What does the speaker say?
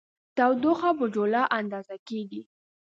تودوخه په جولا اندازه کېږي.